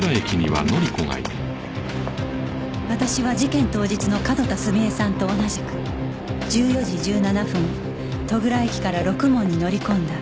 私は事件当日の角田澄江さんと同じく１４時１７分戸倉駅からろくもんに乗り込んだ